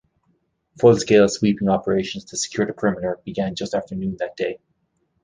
Full-scale sweeping operations to secure the perimeter began just after noon that day.